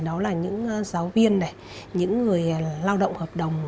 đó là những giáo viên này những người lao động hợp đồng